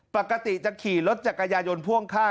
ปกติจะขี่รถจักรยายนพ่วงข้าง